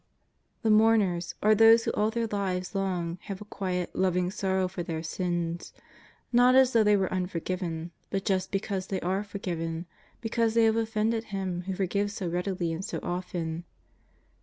'' The mourners are those who all their lives long have a quiet, loving sorrow for their sins — not as though they were imforgiven, but just because they are forgiven, be cause they have offended Him who forgives so readily and so often.